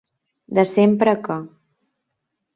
De sempre que.